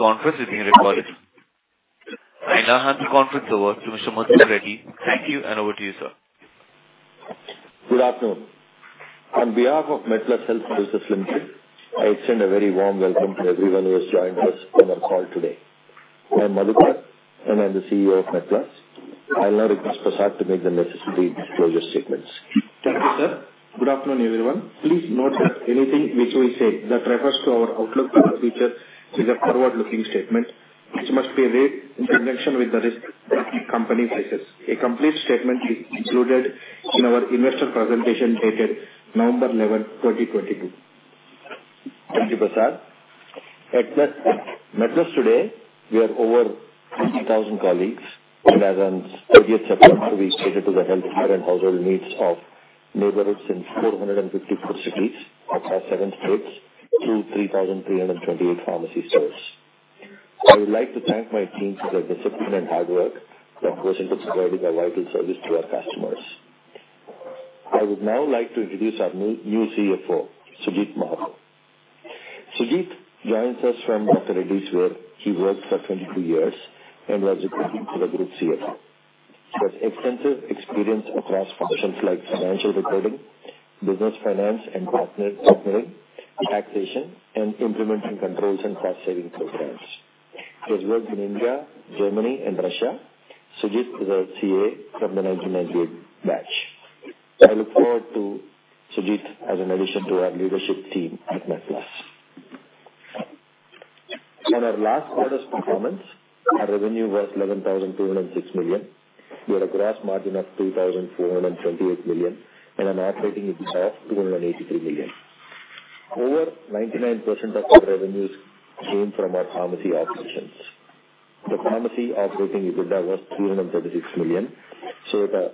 This conference is being recorded. I now hand the conference over to Mr. Madhukar Reddy. Thank you, and over to you, sir. Good afternoon. On behalf of MedPlus Health Services Limited, I extend a very warm welcome to everyone who has joined us on our call today. I'm Madhukar, and I'm the CEO of MedPlus. I'll now request Prasad to make the necessary disclosure statements. Thank you, sir. Good afternoon, everyone. Please note that anything which we say that refers to our outlook for the future is a forward-looking statement, which must be read in connection with the risk that the company faces. A complete statement is included in our investor presentation dated November 11, 2022. Thank you, Prasad. At MedPlus today, we are over 50,000 colleagues who as on thirtieth September, we cater to the health care and household needs of neighborhoods in 454 cities across seven states through 3,328 pharmacy stores. I would like to thank my team for their discipline and hard work and passion for providing a vital service to our customers. I would now like to introduce our new, new CFO, Sujit Kumar Mahato. Sujit joins us from Dr. Reddy's, where he worked for 22 years and was reporting to the group CFO. He has extensive experience across functions like financial recording, business finance and partner partnering, taxation, and implementing controls and cost saving programs. He has worked in India, Germany and Russia. Sujit is a CA from the 1998 batch. I look forward to Sujit as an addition to our leadership team at MedPlus. On our last quarter's performance, our revenue was 11,206 million. We had a gross margin of 2,428 million and an operating EBITDA of 283 million. Over 99% of our revenues came from our pharmacy operations. The pharmacy operating EBITDA was 336 million, so the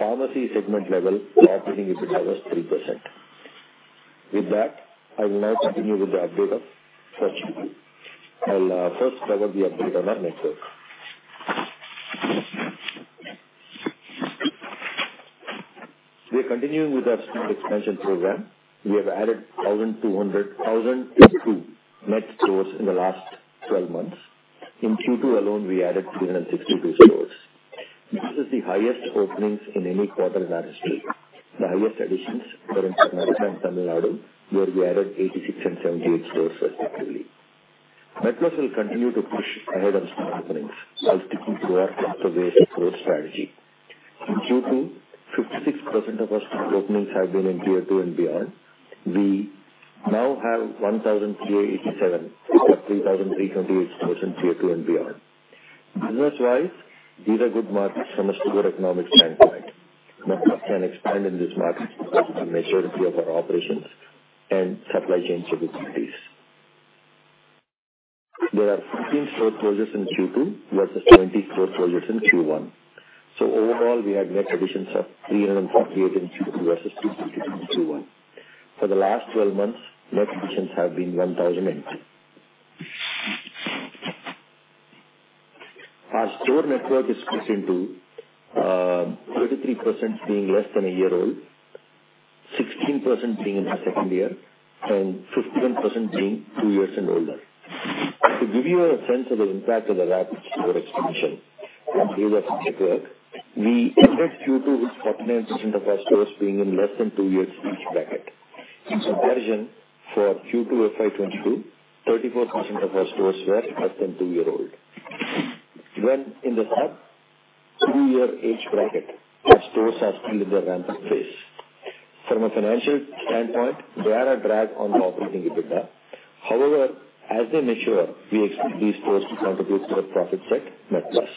pharmacy segment level operating EBITDA was 3%. With that, I will now continue with the update of first. I'll first cover the update on our network. We are continuing with our store expansion program. We have added 1,202 net stores in the last twelve months. In Q2 alone, we added 362 stores. This is the highest openings in any quarter in our history. The highest additions were in Tamil Nadu, where we added 86 and 78 stores respectively. MedPlus will continue to push ahead on store openings, while sticking to our store strategy. In Q2, 56% of our store openings have been in Tier 2 and beyond. We now have 1,387 of 3,328 stores in Tier 2 and beyond. Business-wise, these are good markets from a good economic standpoint. MedPlus can expand in this market to maturity of our operations and supply chain capabilities. There are 15 store closures in Q2, versus 20 store closures in Q1. So overall, we had net additions of 348 in Q2 versus Q1. For the last 12 months, net additions have been 1,008. Our store network is split into 33% being less than a year old, 16% being in their second year, and 51% being two years and older. To give you a sense of the impact of the rapid store expansion on network, we entered Q2 with 49% of our stores being in less than two years age bracket. In comparison, for Q2 FY 2022, 34% of our stores were less than two year old. When in the two-year age bracket, our stores are still in the rampant phase. From a financial standpoint, they are a drag on the operating EBITDA. However, as they mature, we expect these stores to contribute to the profit side MedPlus.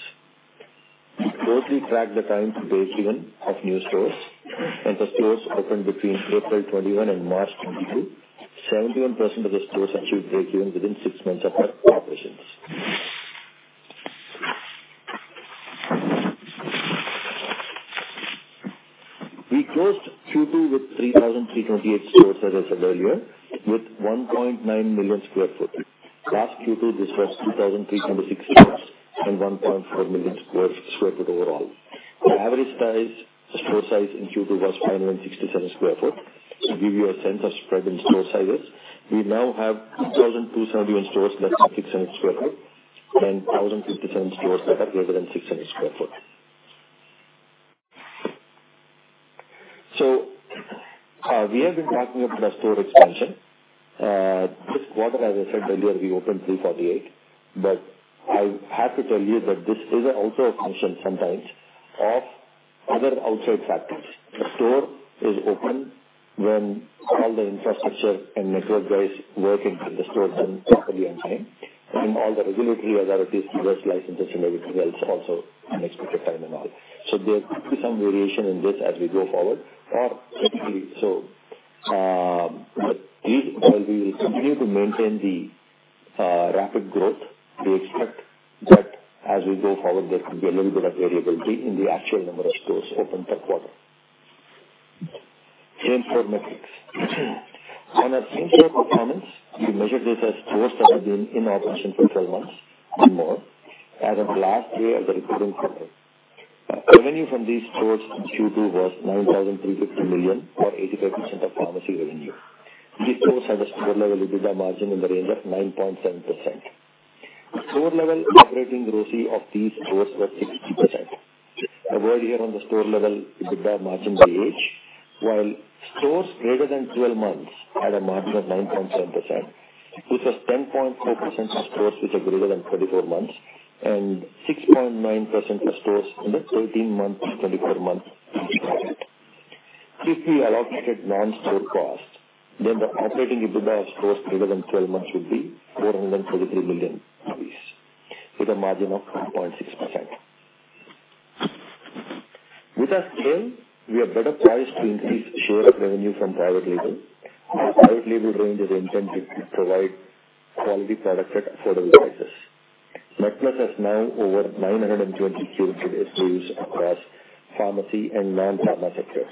Closely track the time to break even of new stores, and the stores opened between April 2021 and March 2022, 71% of the stores actually break even within six months of their operations. We closed Q2 with 3,328 stores, as I said earlier, with 1.9 million sq ft. Last Q2, this was 2,360 stores and 1.4 million sq ft overall. The average size, store size in Q2 was 967 sq ft. To give you a sense of spread in store sizes, we now have 2,271 stores less than 600 sq ft and 1,057 stores that are greater than 600 sq ft. So, we have been talking about the store expansion. This quarter, as I said earlier, we opened 348, but I have to tell you that this is also a function sometimes of other outside factors. The store is open when all the infrastructure and network guys working in the store done properly and on time, and all the regulatory authorities, license and everything else also unexpected time and all. So there could be some variation in this as we go forward or potentially so. But we will continue to maintain the rapid growth. We expect that as we go forward, there could be a little bit of variability in the actual number of stores opened per quarter. Same store metrics. On our same store performance, we measure this as stores that have been in operation for 12 months or more as of last day of the reporting quarter. Revenue from these stores in Q2 was 9,350 million or 85% of pharmacy revenue. These stores had a store level EBITDA margin in the range of 9.7%. Store level operating gross margin of these stores were 60%. A word here on the store level EBITDA margin by age, while stores greater than 12 months had a margin of 9.7%, which was 10.4% for stores which are greater than 24 months and 6.9% for stores in the 13 months-24 months. If we allocated non-store costs, then the operating EBITDA of stores greater than 12 months would be 433 million rupees, with a margin of 1.6%. With our scale, we are better poised to increase share of revenue from private label. Our private label range is intended to provide quality product at affordable prices. MedPlus has now over 920 SKUs across pharmacy and non-pharmacy goods.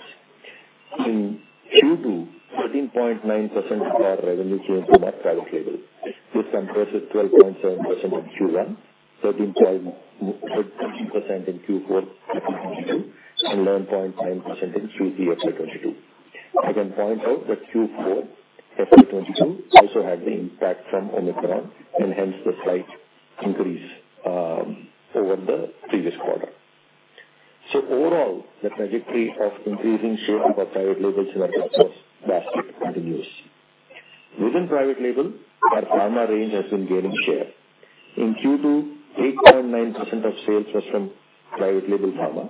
In Q2, 13.9% of our revenue came from our private label. This compares with 12.7% in Q1, 13% in Q4 2022, and 9.9% in Q3 of 2022. I can point out that Q4 of 2022 also had the impact from Omicron, and hence the slight increase over the previous quarter. So overall, the trajectory of increasing share of our private label MedPlus basket continues. Within private label, our pharma range has been gaining share. In Q2, 8.9% of sales was from private label pharma.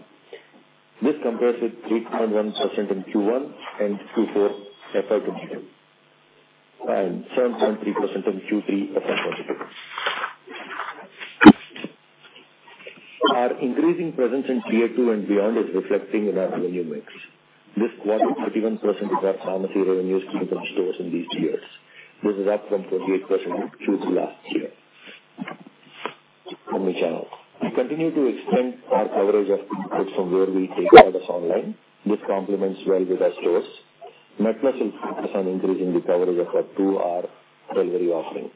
This compares with 3.1% in Q1 and Q4 FY 2022, and 7.3% in Q3 of 2022. Our increasing presence in Tier 2 and beyond is reflecting in our revenue mix. This quarter, 31% of our pharmacy revenues came from stores in these tiers. This is up from 28% Q2 last year. Omnichannel. We continue to extend our coverage of inputs from where we take orders online. This complements well with our stores. MedPlus is focused on increasing the coverage of our two-hour delivery offering.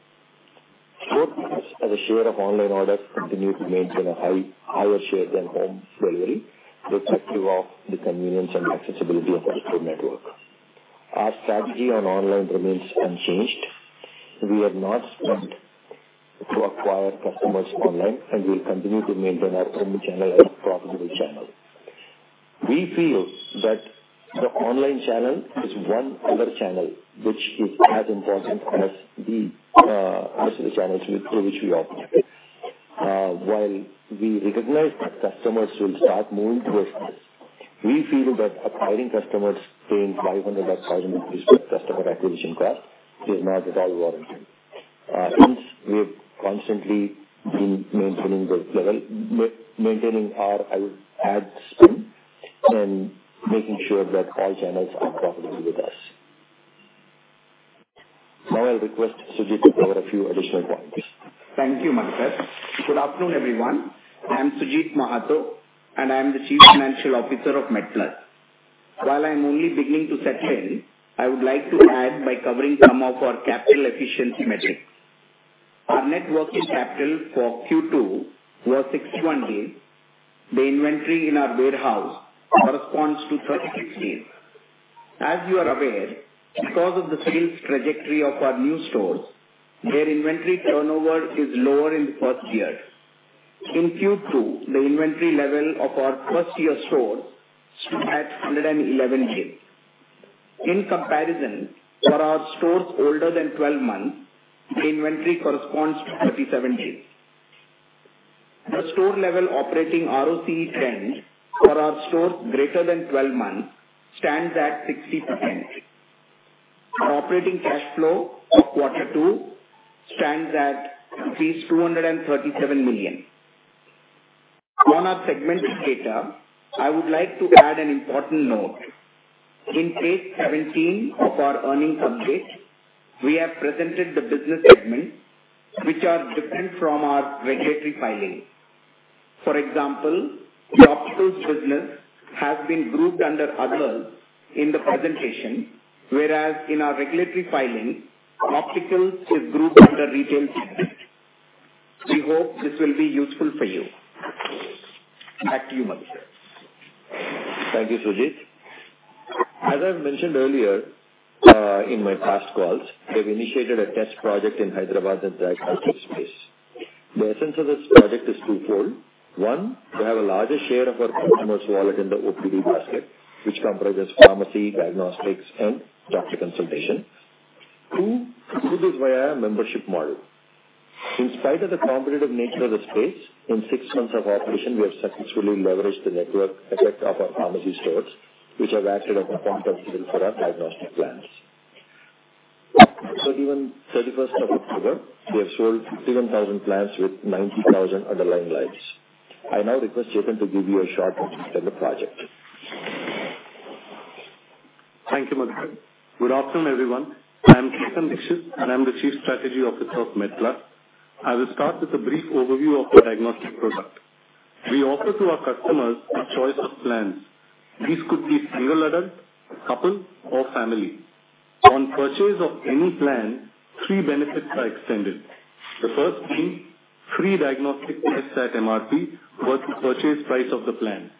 Store picks as a share of online orders continue to maintain a high, higher share than home delivery, reflective of the convenience and accessibility of our store network. Our strategy on online remains unchanged. We do not spend to acquire customers online, and we'll continue to maintain our omnichannel as a profitable channel. We feel that the online channel is one other channel, which is as important as the rest of the channels through which we operate. While we recognize that customers will start moving to us, we feel that acquiring customers paying 500 or 1,000 rupees for customer acquisition cost is not at all warranted. Hence, we have constantly been maintaining the level, maintaining our, I would add, spend and making sure that all channels are profitable with us. Now I'll request Sujit to cover a few additional points. Thank you, Madhukar. Good afternoon, everyone. I'm Sujit Mahato, and I am the Chief Financial Officer of MedPlus. While I'm only beginning to settle in, I would like to add by covering some of our capital efficiency metrics. Our net working capital for Q2 was 61 days. The inventory in our warehouse corresponds to 36 days. As you are aware, because of the sales trajectory of our new stores, their inventory turnover is lower in the first year. In Q2, the inventory level of our first-year stores stood at 111 days. In comparison, for our stores older than 12 months, the inventory corresponds to 37 days. The store level operating ROCE trend for our stores greater than 12 months stands at 60%. Operating cash flow for quarter two stands at 237 million. On our segment data, I would like to add an important note. In page 17 of our earnings update, we have presented the business segments, which are different from our regulatory filings. For example, the optical business has been grouped under other in the presentation, whereas in our regulatory filing, optical is grouped under retail segment. We hope this will be useful for you. Back to you, Manisha. Thank you, Sujit. As I mentioned earlier, in my past calls, we have initiated a test project in Hyderabad and diagnostics space. The essence of this project is twofold. One, we have a larger share of our customers' wallet in the OPD basket, which comprises pharmacy, diagnostics, and doctor consultation. Two, we do this via a membership model. In spite of the competitive nature of the space, in six months of operation, we have successfully leveraged the network effect of our pharmacy stores, which have acted as a point of sale for our diagnostic plans. So as of the thirty-first of October, we have sold 7,000 plans with 90,000 underlying lives. I now request Chetan to give you a short on the project. Thank you, Manisha. Good afternoon, everyone. I'm Chetan Dixit, and I'm the Chief Strategy Officer of MedPlus. I will start with a brief overview of the diagnostic product. We offer to our customers a choice of plans. These could be single adult, couple, or family. On purchase of any plan, 3 benefits are extended. The first being free diagnostic tests at MRP versus purchase price of the plan.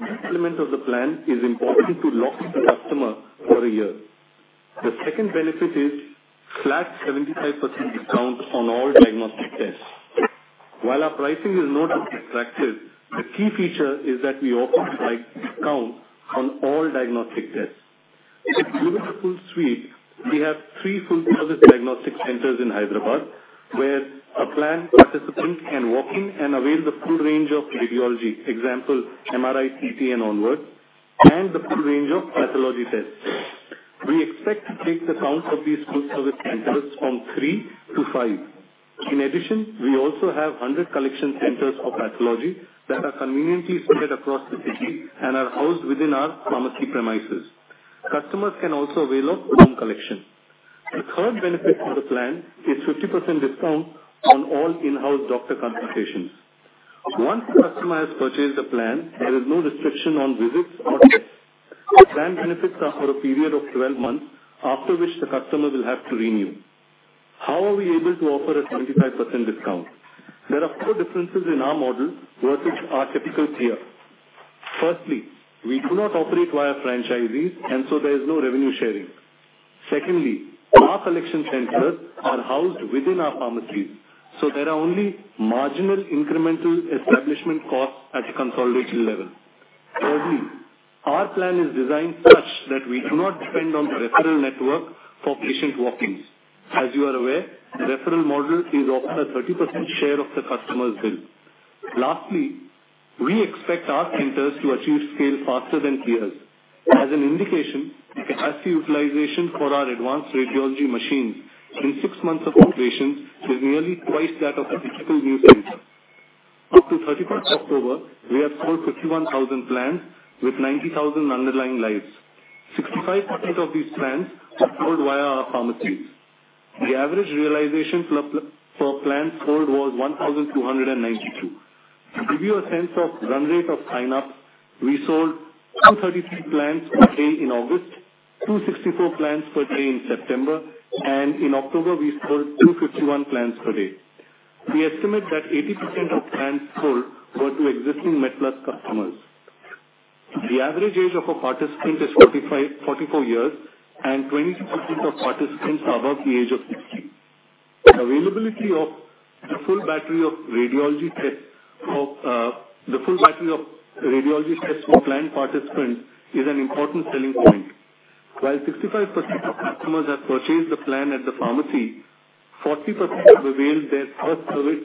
This element of the plan is important to lock the customer for a year. The second benefit is flat 75% discount on all diagnostic tests. While our pricing is noted attractive, the key feature is that we offer high discount on all diagnostic tests. Due to the full suite, we have 3 full service diagnostic centers in Hyderabad, where a plan participant can walk in and avail the full range of radiology. Example: MRI, CT, and onward, and the full range of pathology tests. We expect to take the count of these full-service centers from 3 to 5. In addition, we also have 100 collection centers for pathology that are conveniently spread across the city and are housed within our pharmacy premises. Customers can also avail of home collection. The third benefit of the plan is 50% discount on all in-house doctor consultations. Once the customer has purchased the plan, there is no restriction on visits or tests. The plan benefits are for a period of 12 months, after which the customer will have to renew. How are we able to offer a 75% discount? There are four differences in our model versus our typical tier. Firstly, we do not operate via franchisees, and so there is no revenue sharing. Secondly, our collection centers are housed within our pharmacies, so there are only marginal incremental establishment costs at a consolidated level. Thirdly, our plan is designed such that we do not depend on referral network for patient walk-ins. As you are aware, referral model is often a 30% share of the customer's bill. Lastly, we expect our centers to achieve scale faster than peers. As an indication, the RC utilization for our advanced radiology machines in 6 months of operations is nearly twice that of a typical new center. Up to 31st October, we have sold 51,000 plans with 90,000 underlying lives. 65% of these plans are sold via our pharmacies. The average realization for plans sold was 1,292. To give you a sense of run rate of sign up, we sold 233 plans per day in August, 264 plans per day in September, and in October, we sold 251 plans per day. We estimate that 80% of plans sold were to existing MedPlus customers. The average age of a participant is 45 years-44 years, and 26% of participants are above the age of 60. Availability of the full battery of radiology tests for the full battery of radiology tests for plan participants is an important selling point. While 65% of customers have purchased the plan at the pharmacy, 40% have availed their first service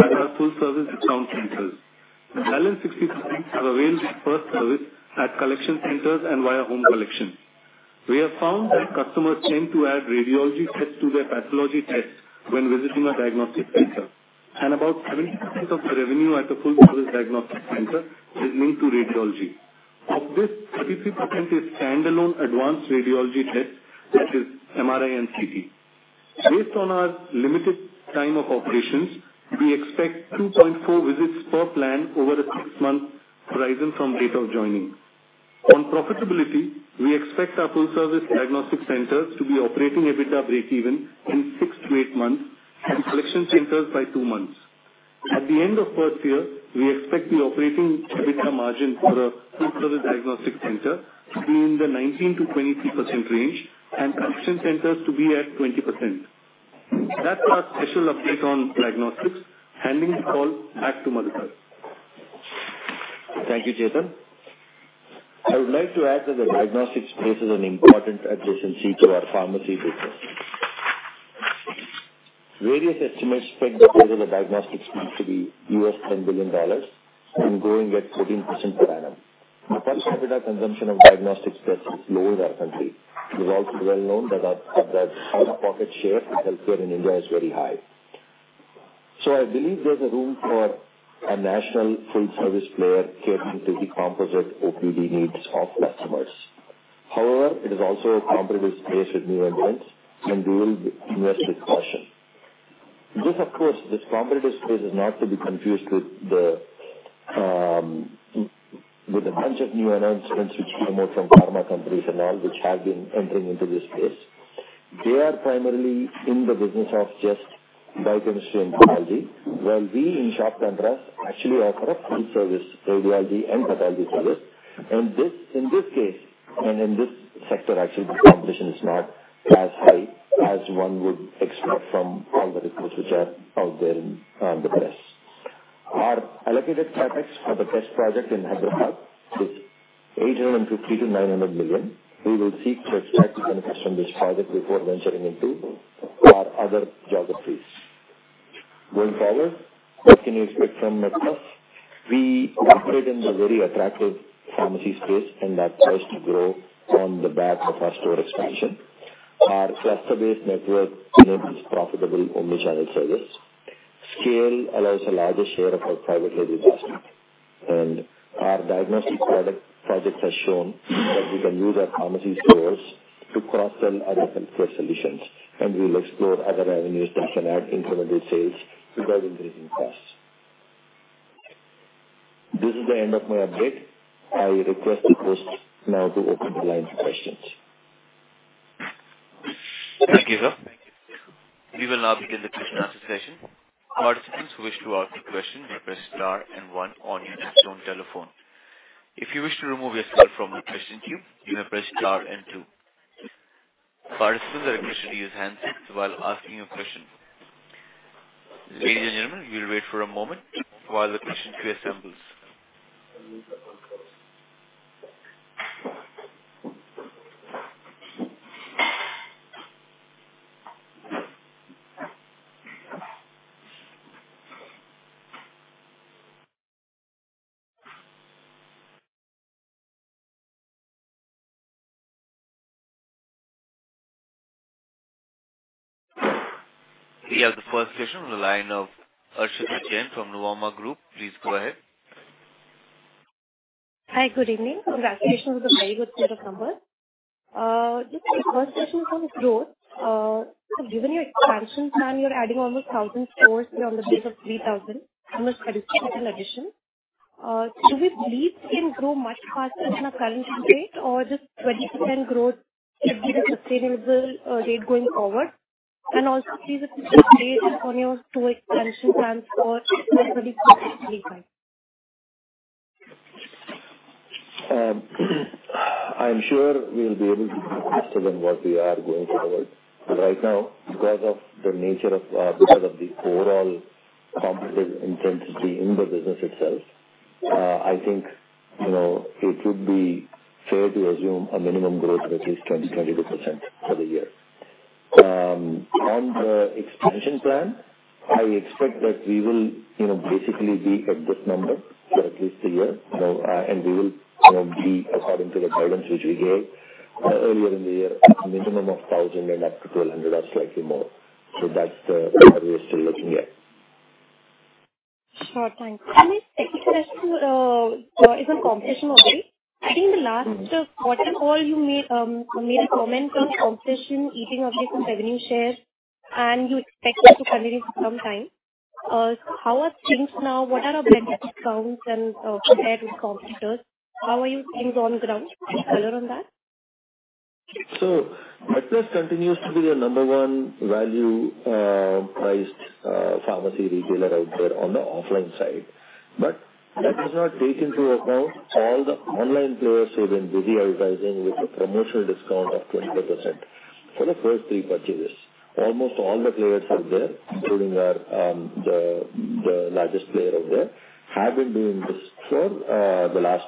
at our full-service account centers. The other 60% have availed their first service at collection centers and via home collection. We have found that customers tend to add radiology tests to their pathology tests when visiting a diagnostic center, and about 70% of the revenue at the full-service diagnostic center is linked to radiology. Of this, 33% is standalone advanced radiology tests, such as MRI and CT. Based on our limited time of operations, we expect 2.4 visits per plan over a six month horizon from date of joining. On profitability, we expect our full-service diagnostic centers to be operating EBITDA breakeven in 6-8 months, and collection centers by two months. At the end of first year, we expect the operating EBITDA margin for a full-service diagnostic center to be in the 19%-23% range and collection centers to be at 20%. That's our special update on diagnostics. Handing the call back to Madhukar. Thank you, Chetan. I would like to add that the diagnostics space is an important adjacency to our pharmacy business. Various estimates peg the size of the diagnostics space to be $10 billion and growing at 13% per annum. The per capita consumption of diagnostic tests is low in our country. It is also well known that our out-of-pocket share for healthcare in India is very high. So I believe there's a room for a national full-service player catering to the composite OPD needs of customers. However, it is also a competitive space with new entrants, and we will invest with caution. This, of course, this competitive space is not to be confused with the, with a bunch of new announcements which come out from pharma companies and all which have been entering into this space. They are primarily in the business of just biochemistry and pathology, while we in sharp contrast, actually offer a full service, radiology and pathology service. And this in this case, and in this sector, actually, the competition is not as high as one would expect from all the reports which are out there in the press. Our allocated CapEx for the test project in Hyderabad is 850 million-900 million. We will seek to extract benefits from this project before venturing into our other geographies. Going forward, what can you expect from MedPlus? We operate in the very attractive pharmacy space, and that tends to grow on the back of our store expansion. Our cluster-based network enables profitable omni-channel service. Scale allows a larger share of our Private Label investment, and our diagnostics projects have shown that we can use our pharmacy stores to cross-sell other healthcare solutions, and we will explore other avenues that can add incremental sales without increasing costs... This is the end of my update. I request the host now to open the line for questions. Thank you, sir. We will now begin the question and answer session. Participants who wish to ask a question may press star and one on your telephone. If you wish to remove yourself from the question queue, you may press star and two. Participants are requested to use handsets while asking a question. Ladies and gentlemen, we will wait for a moment while the question queue assembles. We have the first question on the line of Aashita Jain from Nuvama Wealth Management. Please go ahead. Hi, good evening. Congratulations on the very good set of numbers. Just the first question from growth. So given your expansion plan, you're adding almost 1,000 stores on the base of 3,000, almost additional addition. Do we believe you can grow much faster than our current rate or just 20% growth will be the sustainable, rate going forward? And also please update us on your store expansion plans for I'm sure we'll be able to do better than what we are going forward. Right now, because of the overall competitive intensity in the business itself, I think, you know, it would be fair to assume a minimum growth of at least 20%-22% for the year. On the expansion plan, I expect that we will, you know, basically be at this number for at least a year. You know, and we will, you know, be according to the guidance which we gave, earlier in the year, a minimum of 1,000 and up to 1,200 or slightly more. So that's what we're still looking at. Sure. Thanks. My second question is on competition. I think the last quarter call you made, you made a comment on competition, eating up some revenue shares, and you expect it to continue for some time. How are things now? What are our benefits, counts, and compare to competitors? How are things on the ground? Any color on that? MedPlus continues to be a number one value priced pharmacy retailer out there on the offline side. But that does not take into account all the online players who have been busy advertising with a promotional discount of 20% for the first three purchases. Almost all the players are there, including our the largest player out there, have been doing this for the last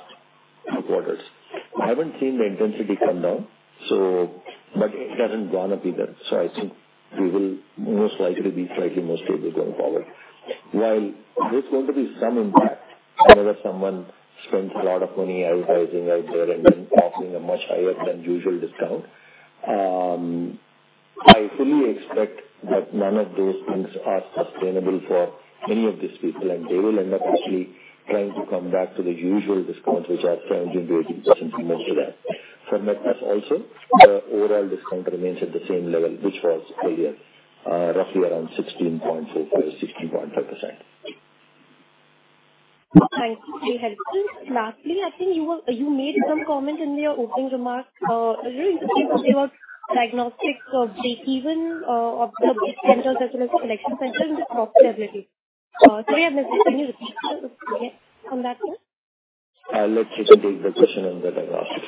two quarters. I haven't seen the intensity come down, but it hasn't gone up either. I think we will most likely be slightly more stable going forward. While there's going to be some impact whenever someone spends a lot of money advertising out there and then offering a much higher than usual discount, I fully expect that none of those things are sustainable for many of these people, and they will end up actually trying to come back to the usual discounts, which are 10%-18%, similar to that. For MedPlus also, the overall discount remains at the same level, which was earlier, roughly around 16.4%-16.5%. Thanks for your help. Lastly, I think you made some comment in your opening remarks, really interesting thing about diagnostics or breakeven, of the centers as well as collection centers and profitability. Can you repeat on that one? Let Chetan take the question on the diagnostics.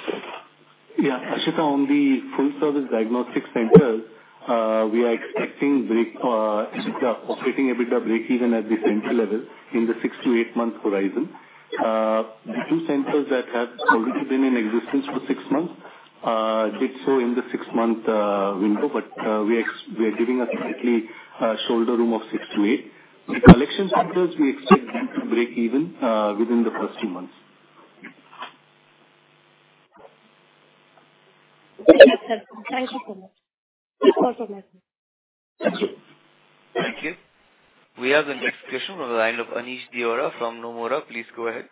Yeah. Aashita, on the full service diagnostic centers, we are expecting break, operating EBITDA breakeven at the center level in the 6 month-8 month horizon. The two centers that have already been in existence for six months did so in the 6-month window, but we are giving a slightly shoulder room of 6-8. The collection centers, we expect them to break even within the first two months. Thank you so much. Thank you. Thank you. We have the next question on the line of Aneesh Deora from Nomura. Please go ahead.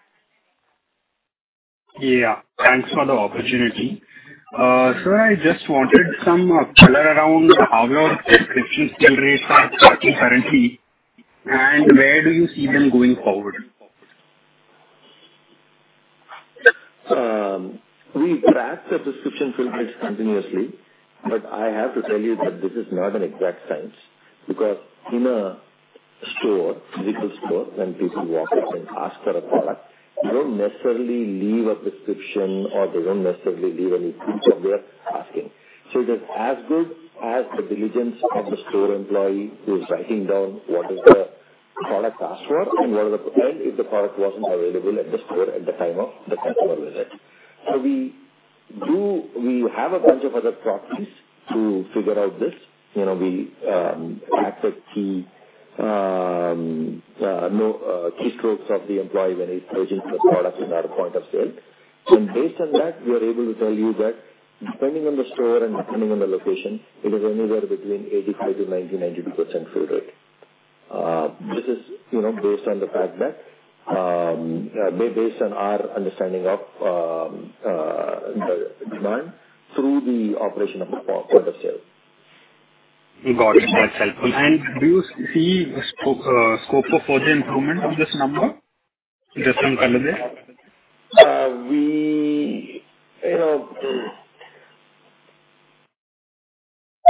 Yeah, thanks for the opportunity. Sir, I just wanted some color around how your prescription fill rates are currently, and where do you see them going forward? We track the prescription fill rates continuously, but I have to tell you that this is not an exact science, because in a store, physical store, when people walk in and ask for a product, they don't necessarily leave a prescription or they don't necessarily leave any proof of their asking. So it is as good as the diligence of the store employee who is writing down what is the product asked for and what are the... And if the product wasn't available at the store at the time of the customer visit. So we do. We have a bunch of other proxies to figure out this. You know, we access keystrokes of the employee when he's searching for products in our point of sale. And based on that, we are able to tell you that depending on the store and depending on the location, it is anywhere between 85%-90%, 92% fill rate. This is, you know, based on the fact that based on our understanding of the demand through the operation of the point of sale. Got it, that's helpful. And do you see a scope for further improvement on this number, just on color there? We, you know,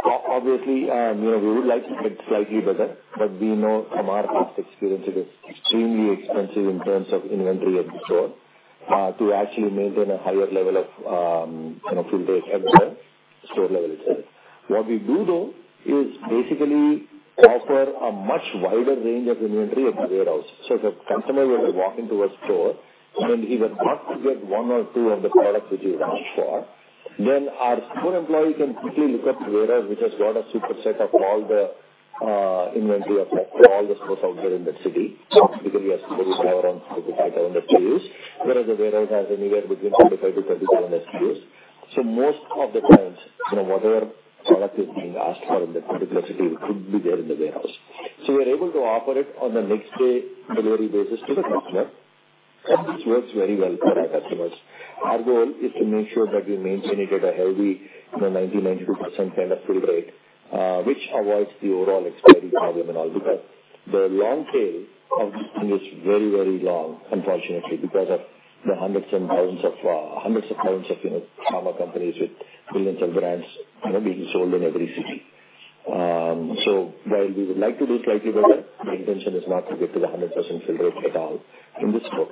obviously, you know, we would like to get slightly better, but we know from our past experience, it is extremely expensive in terms of inventory at the store to actually maintain a higher level of, you know, fill rate at the store level itself. What we do, though, is basically offer a much wider range of inventory at the warehouse. So if a customer were to walk into a store, and he would want to get one or two of the products which he asked for, then our store employee can quickly look up the warehouse, which has got a super set of all the inventory of all the stores out there in that city. So usually has very low on 55 SKUs, whereas the warehouse has anywhere between 25 SKUs-27 SKUs. So most of the times, you know, whatever product is being asked for in that particular city could be there in the warehouse. So we are able to offer it on the next day delivery basis to the customer, and this works very well for our customers. Our goal is to make sure that we maintain it at a healthy, you know, 90%-92% kind of fill rate, which avoids the overall expiry problem and all because the long tail of this is very, very long, unfortunately, because of the hundreds and thousands of, hundreds of thousands of, you know, pharma companies with billions of brands, you know, being sold in every city. So while we would like to do slightly better, the intention is not to get to the 100% fill rate at all in this store.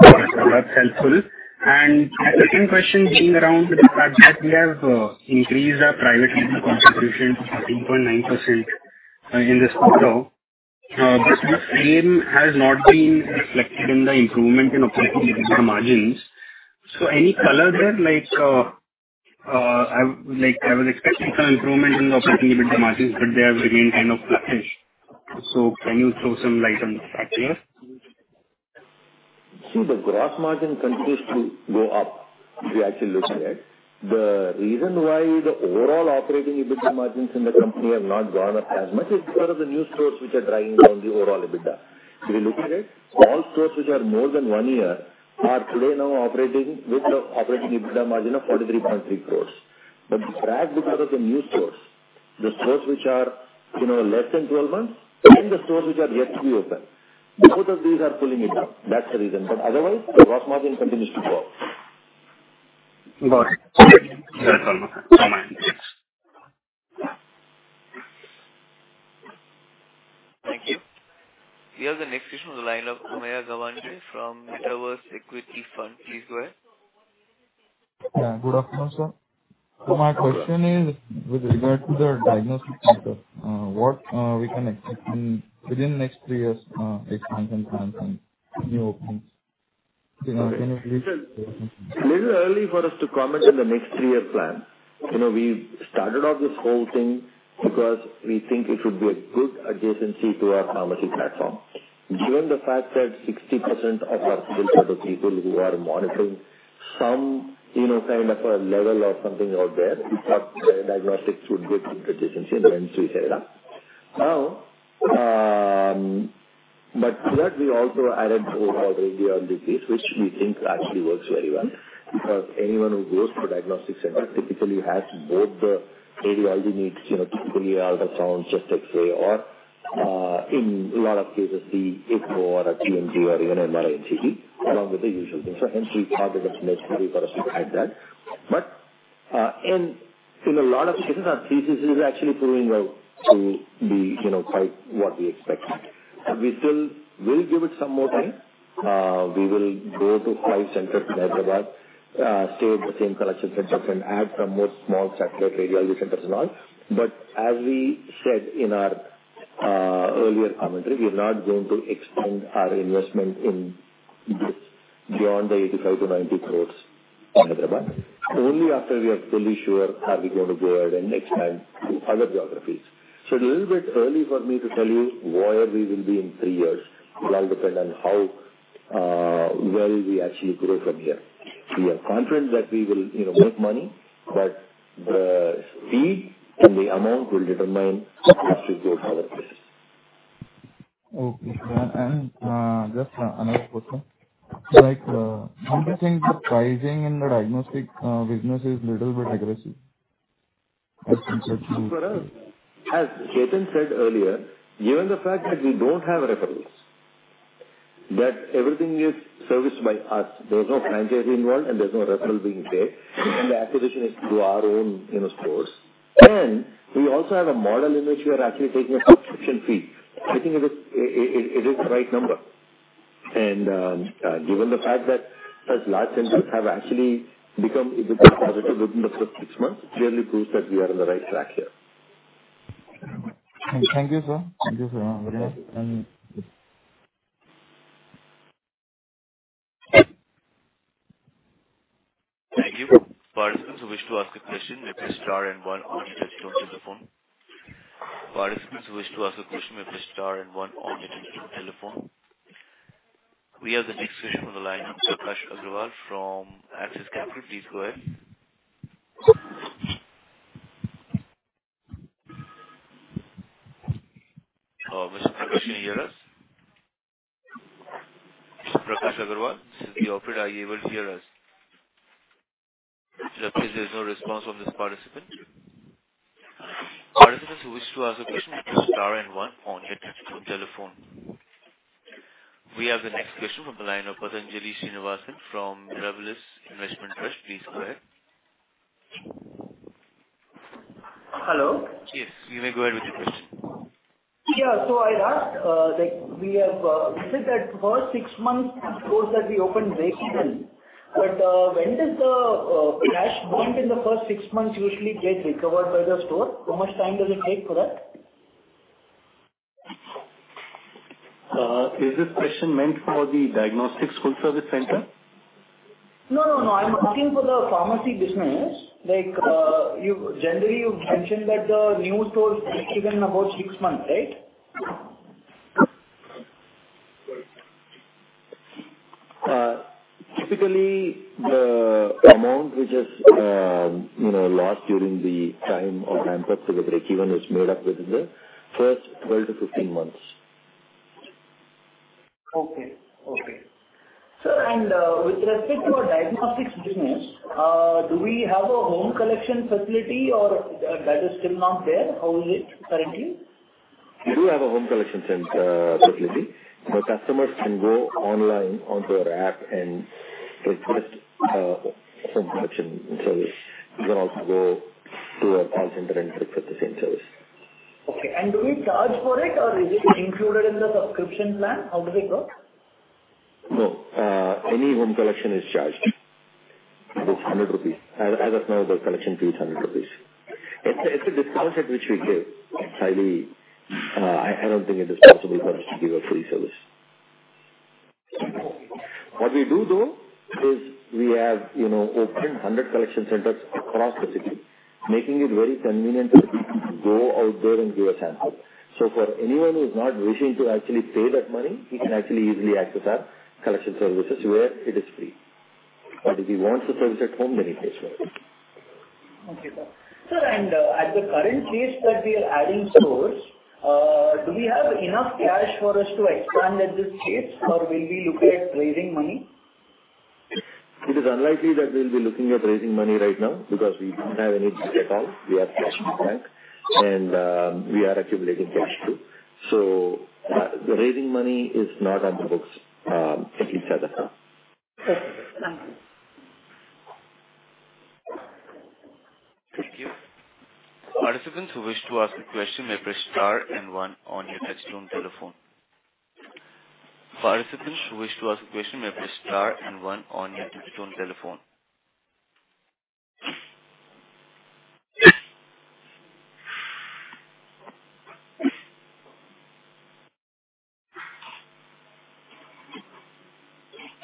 That's helpful. The second question being around the fact that we have increased our private label contribution to 3.9% in this quarter. But this gain has not been reflected in the improvement in operating margins. So any color there, like, I was expecting some improvement in the operating margins, but they have remained kind of sluggish. So can you throw some light on the factor? So the gross margin continues to go up, if you actually look at it. The reason why the overall operating EBITDA margins in the company have not gone up as much is because of the new stores which are dragging down the overall EBITDA. If you look at it, all stores which are more than 1 year are today now operating with an operating EBITDA margin of 43.3 crores. But dragged because of the new stores, the stores which are, you know, less than 12 months and the stores which are yet to be open, both of these are pulling it down. That's the reason. But otherwise, the gross margin continues to grow. Got it. That's all, all mine. Yes. Thank you. We have the next question on the line from Ameya Gawande from Moerus Capital. Please go ahead. Yeah, good afternoon, sir. So my question is with regard to the diagnostic center, what we can expect within the next three years, expansion plans and new openings? Little early for us to comment on the next three-year plan. You know, we started off this whole thing because we think it would be a good adjacency to our pharmacy platform. Given the fact that 60% of our people set of people who are monitoring some, you know, kind of a level or something out there, diagnostics would be a good adjacency and hence we set it up. Now, but to that, we also added overall radiology case, which we think actually works very well, because anyone who goes to a diagnostic center typically has both the radiology needs, you know, to clear ultrasounds, chest X-ray, or, in a lot of cases, the Echo or a TMT or even an MR Angio, along with the usual things. So hence we thought it was necessary for us to add that. But, in, in a lot of cases, our thesis is actually proving out to be, you know, quite what we expected. We still will give it some more time. We will go to 5 centers in Hyderabad, stay with the same collection centers and add some more small satellite radiology centers and all. But as we said in our, earlier commentary, we are not going to expand our investment in this beyond the 85 crore-90 crore in Hyderabad. Only after we are fully sure are we going to go ahead and expand to other geographies. So a little bit early for me to tell you where we will be in 3 years. It all depend on how, well we actually grow from here. We are confident that we will, you know, make money, but the speed and the amount will determine if we have to go to other places. Okay. Just another question. Like, don't you think the pricing in the diagnostics business is a little bit aggressive? As Ketan said earlier, given the fact that we don't have referrals, that everything is serviced by us, there's no franchisee involved, and there's no referral being there, and the acquisition is through our own, you know, stores. And we also have a model in which we are actually taking a subscription fee. I think it is the right number. And given the fact that such large centers have actually become EBITDA positive within the first six months, clearly proves that we are on the right track here. Thank you, sir. Thank you, sir. Thank you. Participants who wish to ask a question may press star and one on your telephone. Participants who wish to ask a question may press star and one on your telephone. We have the next question on the line from Prakash Agarwal from Axis Capital. Please go ahead.... Mr. Prakash, can you hear us? Mr. Prakash Agarwal, this is the operator. Are you able to hear us? It looks like there's no response from this participant. Participants who wish to ask a question, press star and one on your telephone. We have the next question from the line of Patanjali Srinivasan from Mirabilis Investment Trust. Please go ahead. Hello. Yes, you may go ahead with your question. Yeah. So I'd ask, like we have visited that first six months stores that we opened very well. But, when does the cash point in the first six months usually get recovered by the store? How much time does it take for that? Is this question meant for the diagnostics full-service center? No, no, no. I'm asking for the pharmacy business. Like, generally, you've mentioned that the new store is break even about six months, right? Typically, the amount which is, you know, lost during the time of ramp up to the break even is made up within the first 12 months-15 months. Okay. Okay. Sir, and with respect to our diagnostics business, do we have a home collection facility, or that is still not there? How is it currently? We do have a home collection center facility. The customers can go online onto our app and request home collection service. You can also go to a call center and request the same service. Okay, and do we charge for it or is it included in the subscription plan? How do they go? No. Any home collection is charged. It is 100 rupees. As of now, the collection fee is 100 rupees. It's a discount at which we give. It's highly, I don't think it is possible for us to give a free service. What we do, though, is we have, you know, opened 100 collection centers across the city, making it very convenient to go out there and give a sample. So for anyone who is not wishing to actually pay that money, he can actually easily access our collection services where it is free. But if he wants the service at home, then he pays for it. Okay, sir. Sir, at the current pace that we are adding stores, do we have enough cash for us to expand at this pace, or we'll be looking at raising money? It is unlikely that we'll be looking at raising money right now because we don't have any debt at all. We are cash in the bank, and we are accumulating cash, too. So, raising money is not on the books, anytime soon. Okay, thank you. Thank you. Participants who wish to ask a question may press star and one on your touchtone telephone. Participants who wish to ask a question may press star and one on your touchtone telephone.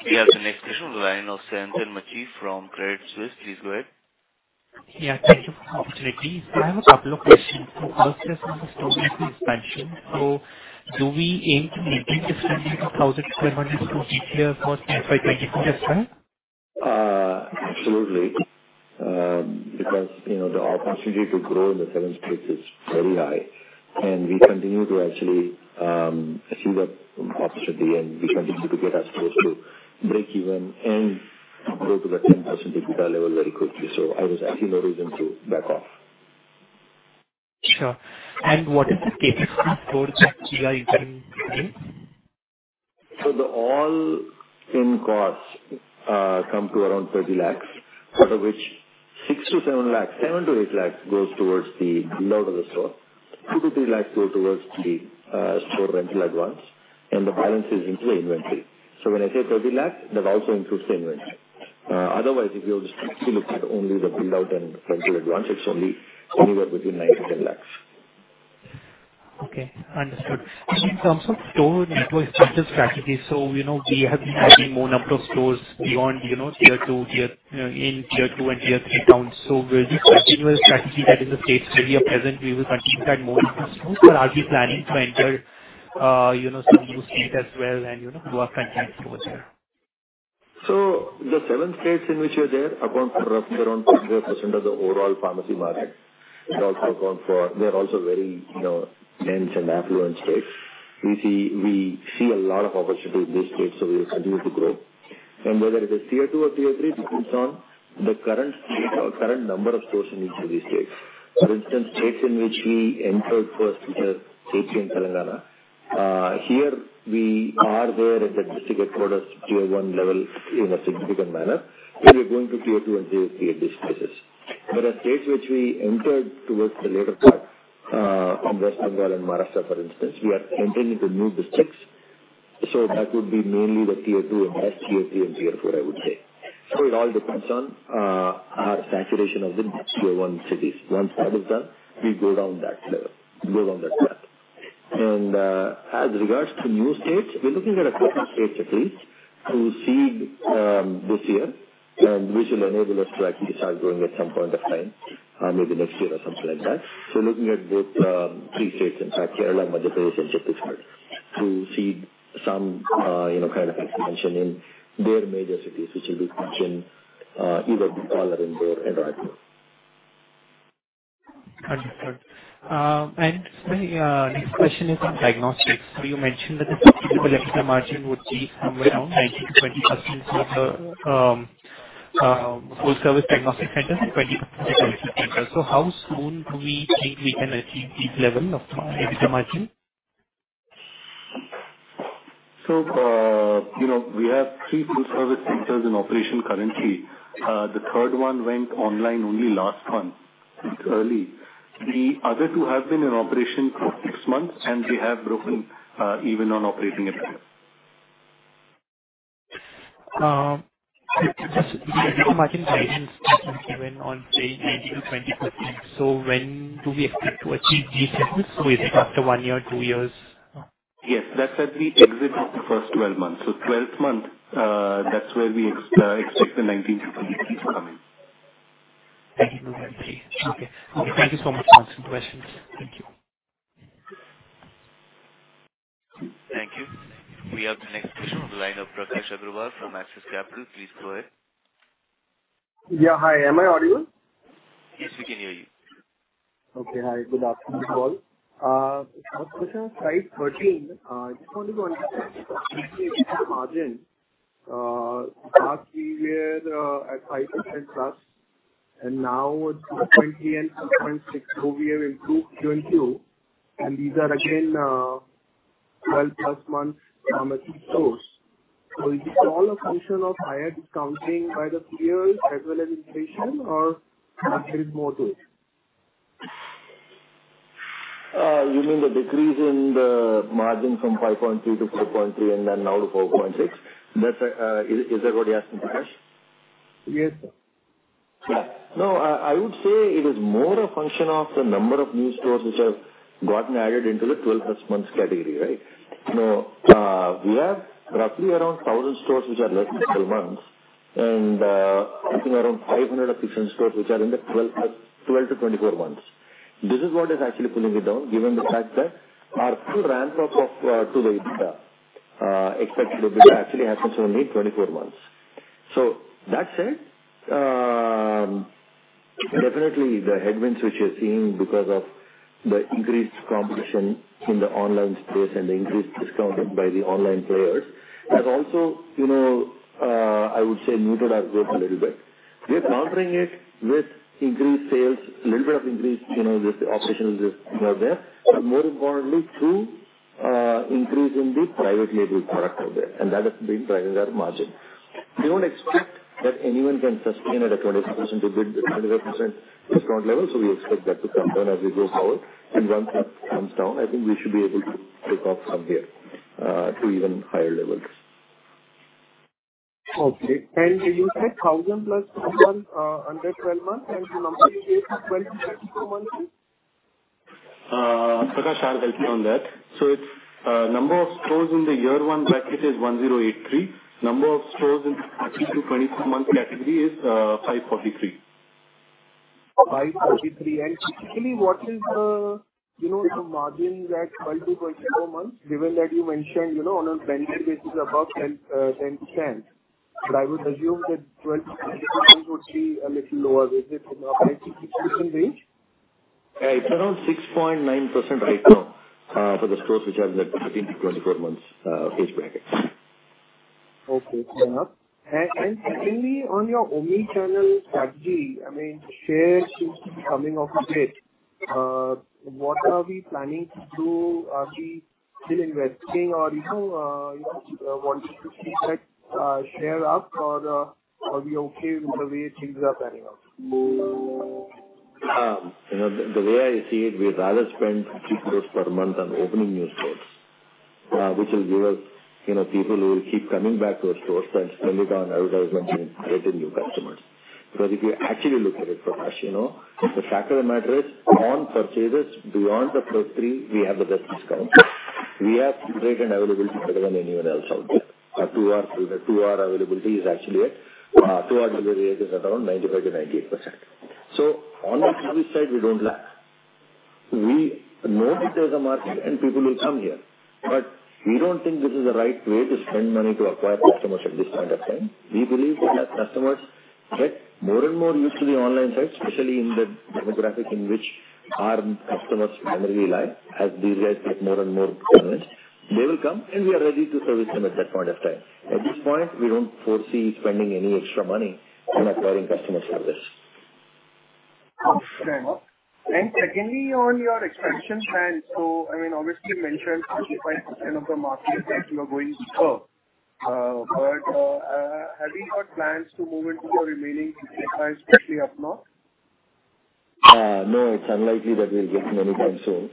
We have the next question on the line of Shantanu Bhandari from Credit Suisse. Please go ahead. Yeah, thank you for the opportunity. I have a couple of questions. So first, expansion. So do we aim to maintain expanding to 1,000 square meters to be clear for FY 2022 as well? Absolutely. Because, you know, the opportunity to grow in the southern states is very high, and we continue to actually see that opportunity, and we continue to get our stores to break even and go to the 10% EBITDA level very quickly. So I would see no reason to back off. Sure. And what is the CapEx for the tier you are entering today? So the all-in costs come to around 30 lakhs, out of which 6-7 lakhs, 7-8 lakhs goes towards the load of the store. 2-3 lakhs go towards the store rental advance, and the balance is into inventory. So when I say 30 lakhs, that also includes inventory. Otherwise, if you're just looking at only the build-out and rental advance, it's only anywhere between 9-10 lakhs. Okay, understood. In terms of store network strategy, so we know we have been adding more number of stores beyond, you know, Tier 2 and Tier 3 towns. So will this continuous strategy that in the states where we are present, we will continue to add more of these stores, or are we planning to enter, you know, some new state as well and, you know, grow our country stores there? So the seven states in which we are there account for around 50% of the overall pharmacy market. It also account for- they're also very, you know, dense and affluent states. We see, we see a lot of opportunity in these states, so we will continue to grow. And whether it is Tier 2 or Tier 3, depends on the current state or current number of stores in each of these states. For instance, states in which we entered first, which are AP and Telangana. Here we are there in the district code as Tier 1 level in a significant manner, and we're going to Tier 2 and Tier 3 at this stages. There are states which we entered towards the later part, on West Bengal and Maharashtra, for instance, we are entering into new districts, so that would be mainly the Tier 2 and less Tier 3 and Tier 4, I would say. So it all depends on, our saturation of the Tier 1 cities. Once that is done, we go down that level, go down that path. And, as regards to new states, we're looking at a couple of states at least to seed, this year, and which will enable us to actually start growing at some point of time, maybe next year or something like that. So we're looking at both, three states in South Kerala, Madhya Pradesh and Chhattisgarh, to seed some, you know, kind of expansion in their major cities, which will be mentioned, either be Kerala and Madhya Pradesh. Understood. And my next question is on diagnostics. So you mentioned that the EBITDA margin would be somewhere around 19%-20% for the full service diagnostic center and 20%. So how soon do we think we can achieve this level of EBITDA margin? You know, we have three full service centers in operation currently. The third one went online only last month. It's early. The other two have been in operation for six months, and we have broken even on operating it. EBITDA margin guidance, even on say 19%-20%. So when do we expect to achieve these levels? So is it after one year, two years? Yes. That's at the exit of the first 12 months. So 12th month, that's where we expect the 19% to come in. Thank you. Okay. Thank you so much for answering questions. Thank you. Thank you. We have the next question on the line of Prakash Agarwal from Axis Capital. Please go ahead. Yeah, hi. Am I audible? Yes, we can hear you. Okay. Hi, good afternoon, all. First question, slide 13. I just want to go on margin, last three years, at 5%+, and now it's 2.6 and 6.6. So we have improved. Q4 and these are again 12+ months stores. So is this all a function of higher discounting by the peers as well as inflation, or there is more to it? You mean the decrease in the margin from 5.3 to 4.3, and then now to 4.6? That's, is that what you're asking, Prakash? Yes, sir. Yeah. No, I would say it is more a function of the number of new stores which have gotten added into the 12+ months category, right? Now, we have roughly around 1,000 stores which are less than 12 months, and, I think around 500 efficient stores which are in the 12+, 12-24 months. This is what is actually pulling it down, given the fact that our full ramp up of, to the, expected actually happens only 24 months. So that said, definitely the headwinds which you're seeing because of the increased competition in the online space and the increased discounting by the online players, has also, you know, I would say neutralized growth a little bit. We're countering it with increased sales, a little bit of increased, you know, with the operational risk out there, but more importantly, through increase in the private label product out there, and that has been driving our margin. We don't expect that anyone can sustain at a 20%-25% discount level, so we expect that to come down as we go forward. And once that comes down, I think we should be able to take off from there to even higher levels. Okay. Did you say 1,000 + 1 under 12 months and the number is 12-24 months? Prakash, I'll help you on that. So it's number of stores in the year one bracket is 1,083. Number of stores in 24-month category is 543. 543. Specifically, what is the, you know, the margin that 12-24 months, given that you mentioned, you know, on a blended basis above 10, 10%. But I would assume that 12-24 months would be a little lower. Is it in the same range? It's around 6.9% right now, for the stores which are in the 24 months age bracket. Okay, fair enough. And secondly, on your omnichannel strategy, I mean, share seems to be coming off a bit. What are we planning to do? Are we still investing or, you know, you know, wanting to keep that share up, or are we okay with the way things are panning out? You know, the way I see it, we'd rather spend 3 crore per month on opening new stores, which will give us, you know, people who will keep coming back to our stores and spend it on advertisement and getting new customers. Because if you actually look at it, Prakash, you know, the fact of the matter is, on purchases beyond the first three, we have the best discount. We have greater availability than anyone else out there. Our two-hour, two-hour availability is actually at, two-hour delivery is around 95%-98%. So on the service side, we don't lack. We know that there's a market and people will come here, but we don't think this is the right way to spend money to acquire customers at this point of time. We believe that as customers get more and more used to the online side, especially in the demographic in which our customers primarily live, as these guys get more and more convinced, they will come, and we are ready to service them at that point of time. At this point, we don't foresee spending any extra money on acquiring customers for this. Fair enough. And secondly, on your expansion plan, so I mean, obviously, you mentioned 25% of the market that you are going to serve. But have you got plans to move into the remaining 65, especially up north? No, it's unlikely that we'll get anytime soon.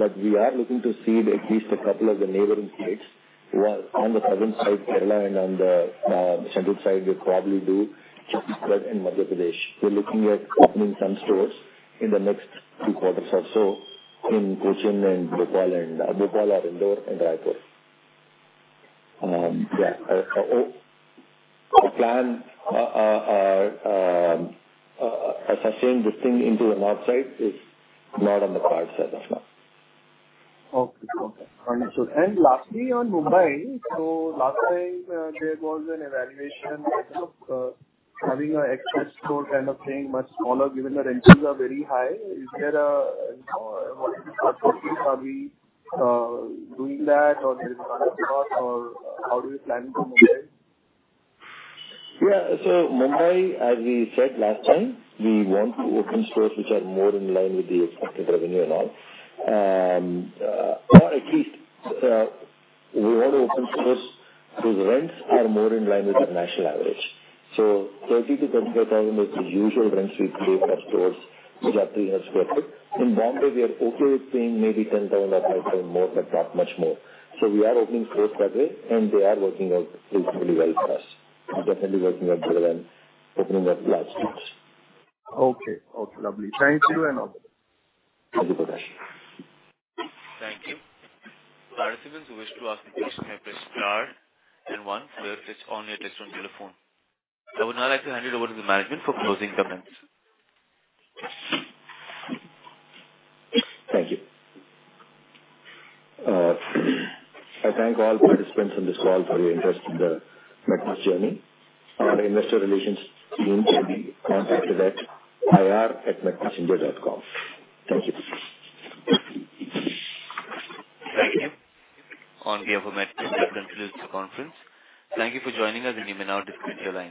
But we are looking to seed at least a couple of the neighboring states. Well, on the southern side, Kerala, and on the central side, we'll probably do Chhattisgarh and Madhya Pradesh. We're looking at opening some stores in the next two quarters or so in Cochin and Bhopal, and Bhopal or Indore and Raipur. The plan assessing this thing into the north side is not on the cards as of now. Okay. Okay. Understood. And lastly, on Mumbai, so last time, there was an evaluation of having a express store kind of thing, much smaller, given the rentals are very high. Is there a, you know, are we doing that or there is not, or how do you plan to move in? Yeah. So Mumbai, as we said last time, we want to open stores which are more in line with the expected revenue and all. Or at least, we want to open stores whose rents are more in line with the national average. So 30,000-35,000 is the usual rents we pay for stores, which are 300 sq ft. In Bombay, we are okay with paying maybe 10,000 or 5,000 more, but not much more. So we are opening stores that way, and they are working out reasonably well for us, and definitely working out better than opening up large stores. Okay. Okay, lovely. Thank you very much. Thank you, Prakash. Thank you. Participants who wish to ask a question may press star then one while it is on your touch-tone telephone. I would now like to hand it over to the management for closing comments. Thank you. I thank all participants on this call for your interest in the MedPlus journey. Our investor relations team can be contacted at ir@medplusindia.com. Thank you. Thank you. On behalf of Magnus, I conclude the conference. Thank you for joining us, and you may now disconnect your lines.